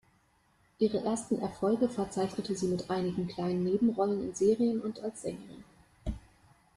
Ihre ersten Erfolge verzeichnete sie mit einigen kleinen Nebenrollen in Serien und als Sängerin.